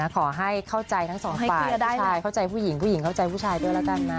ขอให้เข้าใจทั้งสองฝ่ายเข้าใจผู้หญิงผู้หญิงเข้าใจผู้ชายด้วยแล้วกันนะ